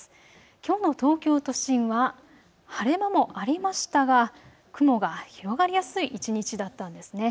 きょうの東京都心は晴れ間もありましたが雲が広がりやすい一日だったんですね。